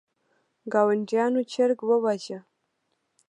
ګاونډیانو چرګ وواژه.